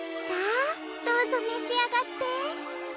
さあどうぞめしあがって。